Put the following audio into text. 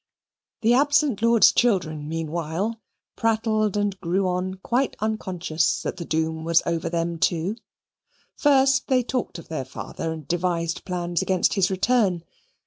The absent lord's children meanwhile prattled and grew on quite unconscious that the doom was over them too. First they talked of their father and devised plans against his return.